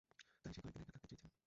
তাই সে কয়েকদিন একা থাকতে চেয়েছিল।